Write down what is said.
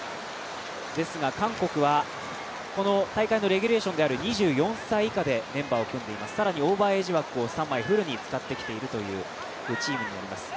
ですが韓国はこの大会のレギュレーションである２４歳以下でメンバーを組んでいます、更にオーバーエイジ枠を３枚フルに使ってきているというチームになります。